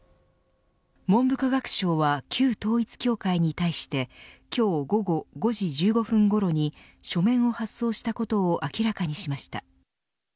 文部科学省は旧統一教会に対して今日午後５時１５分ごろに書面を発送したことを明らかにしました。